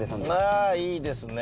ああいいですね。